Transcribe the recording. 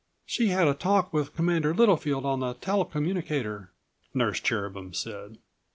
"She had a talk with Commander Littlefield on the tele communicator," Nurse Cherubin said.